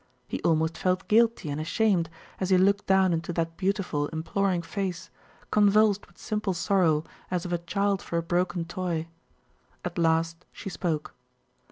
He almost felt guilty and ashamed, as he looked down into that beautiful imploring face, convulsed with simple sorrow, as of a child for a broken toy..... At last she spoke.